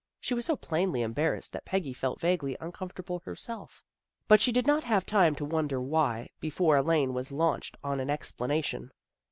She was so plainly embarrassed that Peggy felt vaguely uncomfortable herself. But she did not have time to wonder why, be fore Elaine was launched on an explanation.